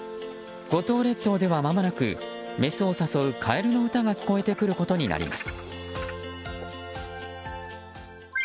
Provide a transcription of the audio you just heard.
五島列島ではまもなくメスを誘うカエルの歌が聞こえてくることになります。